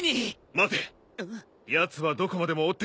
待てやつはどこまでも追ってくる。